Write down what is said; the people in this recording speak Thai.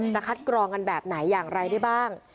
คัดกรองกันแบบไหนอย่างไรได้บ้าง